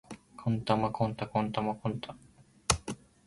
児玉幹太児玉幹太